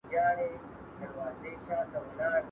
¬ له يوه سپاره دوړه نه خېژى.